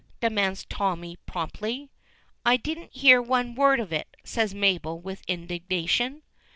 demands Tommy promptly. "I didn't hear one word of it," says Mabel with indignation.